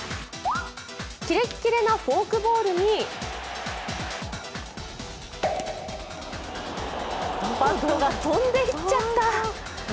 キレッキレなフォークボールにバットが飛んでいっちゃった。